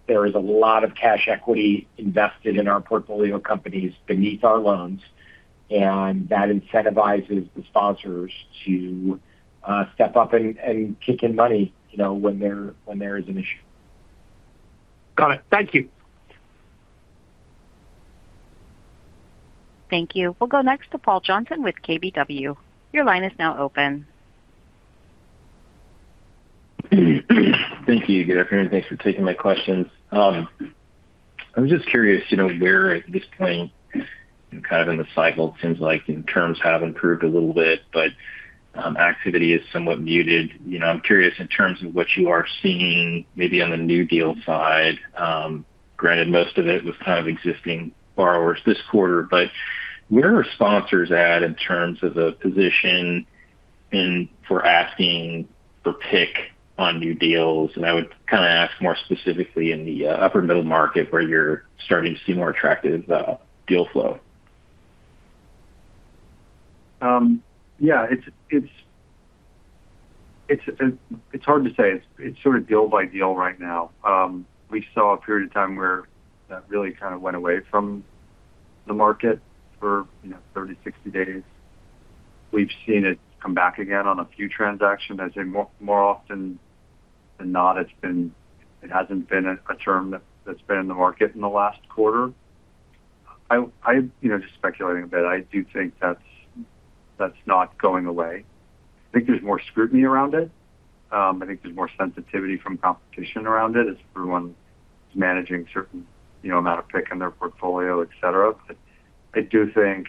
There is a lot of cash equity invested in our portfolio companies beneath our loans, and that incentivizes the sponsors to step up and kick in money when there is an issue. Got it. Thank you. Thank you. We'll go next to Paul Johnson with KBW. Your line is now open. Thank you. Good afternoon. Thanks for taking my questions. I was just curious, where at this point in the cycle, it seems like terms have improved a little bit, but activity is somewhat muted. I'm curious in terms of what you are seeing maybe on the new deal side, granted most of it was kind of existing borrowers this quarter, but where are sponsors at in terms of the position and for asking for PIK on new deals? I would ask more specifically in the upper middle market where you're starting to see more attractive deal flow. Yeah. It's hard to say. It's sort of deal by deal right now. We saw a period of time where that really kind of went away from the market for 30, 60 days. We've seen it come back again on a few transactions. As in more often than not, it hasn't been a term that's been in the market in the last quarter. Just speculating a bit, I do think that's not going away. I think there's more scrutiny around it. I think there's more sensitivity from competition around it as everyone is managing a certain amount of PIK in their portfolio, et cetera. I do think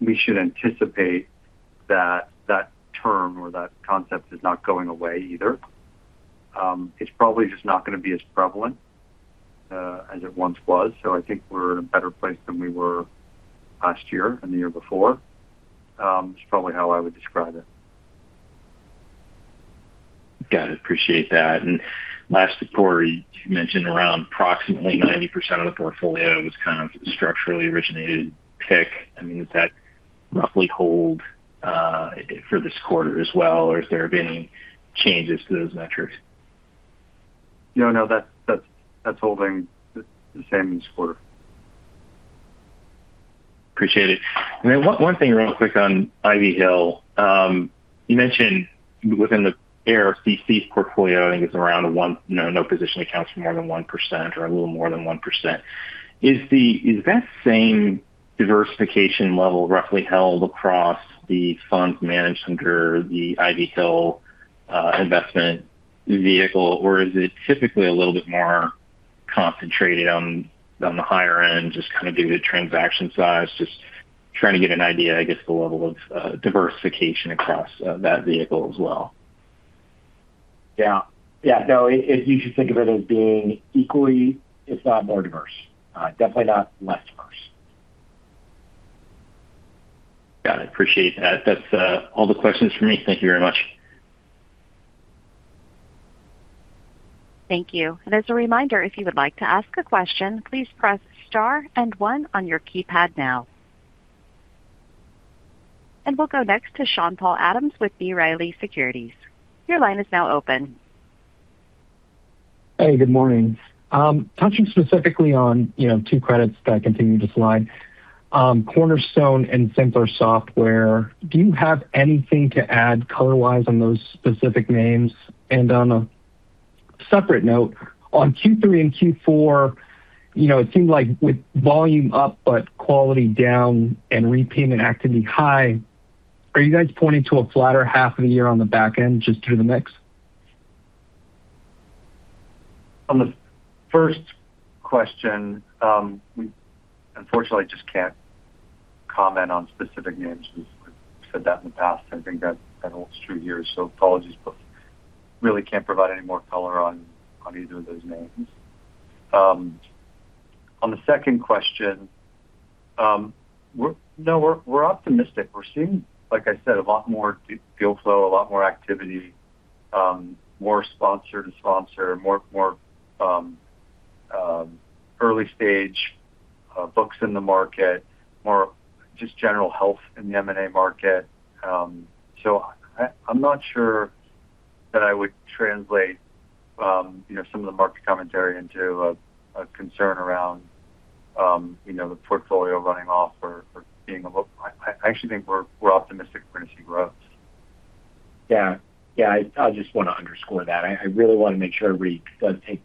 we should anticipate that term or that concept is not going away either. It's probably just not going to be as prevalent as it once was. I think we're in a better place than we were last year and the year before. It's probably how I would describe it. Got it. Appreciate that. Last quarter, you mentioned around approximately 90% of the portfolio was kind of structurally originated PIK. Does that roughly hold for this quarter as well, or have there been any changes to those metrics? No. That's holding the same each quarter. Appreciate it. One thing real quick on Ivy Hill. You mentioned within the ARCC's portfolio, I think it's around no position accounts for more than 1% or a little more than 1%. Is that same diversification level roughly held across the funds managed under the Ivy Hill investment vehicle, or is it typically a little bit more concentrated on the higher end, just kind of due to transaction size? Just trying to get an idea, I guess, the level of diversification across that vehicle as well. Yeah. No, you should think of it as being equally, if not more diverse. Definitely not less diverse. Got it. Appreciate that. That's all the questions from me. Thank you very much. Thank you. As a reminder, if you would like to ask a question, please press star and one on your keypad now. We'll go next to Sean Paul Adams with B. Riley Securities. Your line is now open. Good morning. Touching specifically on two credits that continue to slide. Cornerstone and Simpler Software. Do you have anything to add color-wise on those specific names? On a separate note, on Q3 and Q4, it seems like with volume up but quality down and repayment activity high, are you guys pointing to a flatter half of the year on the back end just due to the mix? On the first question, we unfortunately just can't comment on specific names. We've said that in the past. I think that holds true here. Apologies. Really can't provide any more color on either of those names. On the second question, we're optimistic. We're seeing, like I said, a lot more deal flow, a lot more activity, more sponsor to sponsor, more early-stage books in the market, more just general health in the M&A market. I'm not sure that I would translate some of the market commentary into a concern around the portfolio running off or being a look. I actually think we're optimistic we're going to see growth. I just want to underscore that. I really want to make sure everybody does take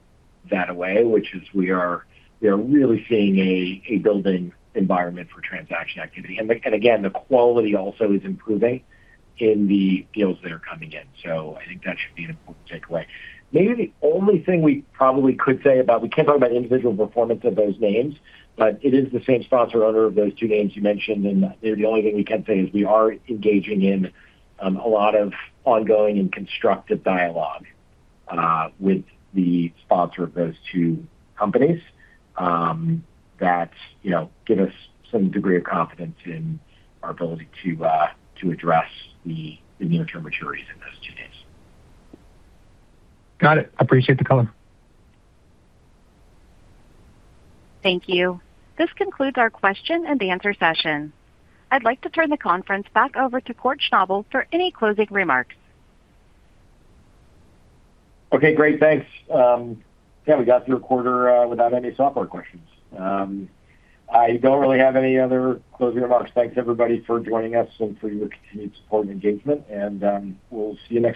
that away, which is we are really seeing a building environment for transaction activity. Again, the quality also is improving in the deals that are coming in. I think that should be an important takeaway. We can't talk about individual performance of those names, but it is the same sponsor owner of those two names you mentioned. The only thing we can say is we are engaging in a lot of ongoing and constructive dialogue with the sponsor of those two companies that give us some degree of confidence in our ability to address the near-term maturities in those two names. Got it. Appreciate the color. Thank you. This concludes our question and answer session. I'd like to turn the conference back over to Kort Schnabel for any closing remarks. Okay, great. Thanks. Yeah, we got through a quarter without any software questions. I don't really have any other closing remarks. Thanks everybody for joining us and for your continued support and engagement, and we'll see you next quarter.